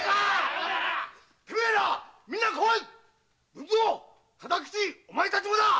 文蔵貞吉お前たちもだ！